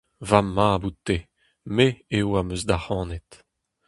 Va Mab out-te ; me eo am eus da c’hanet.